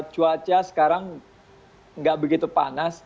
cuaca sekarang nggak begitu panas